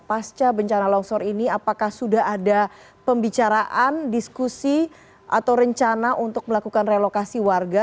pasca bencana longsor ini apakah sudah ada pembicaraan diskusi atau rencana untuk melakukan relokasi warga